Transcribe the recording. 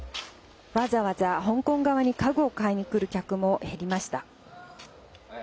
わざわざ香港側に家具を買いにくる客も減りました。